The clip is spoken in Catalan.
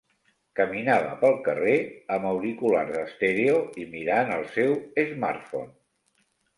Caminava pel carrer amb auriculars estèreo i mirant el seu smartphone.